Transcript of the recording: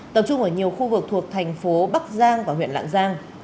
tập trung ở nhiều khu vực thuộc thành phố bắc giang và huyện lạng giang